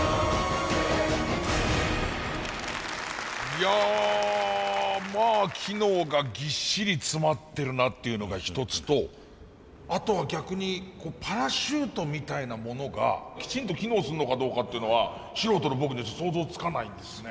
いやまあ機能がぎっしり詰まってるなっていうのが一つとあとは逆にパラシュートみたいなものがきちんと機能すんのかどうかっていうのは素人の僕ではちょっと想像つかないですね。